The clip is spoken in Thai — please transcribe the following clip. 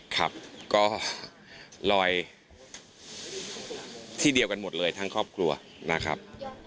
ครับก็ลอยที่เดียวกันหมดเลยทั้งครอบครัวนะครับ